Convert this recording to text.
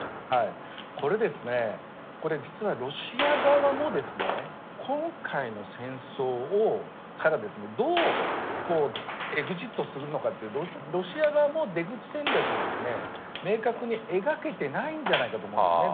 これですね、これ実はロシア側も、今回の戦争からどうエグジットするのか、ロシア側も出口戦略を明確に描けてないんじゃないかと思うんですね。